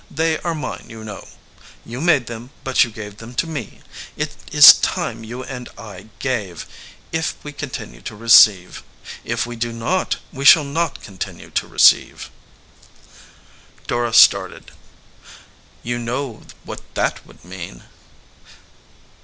They are mine, you know. You made them, but you gave them to me. It is time you and I gave, if we continue to receive. If we do not, we shall not continue to receive." Dora started. "You know what that would mean?"